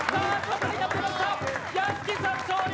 屋敷さん勝利！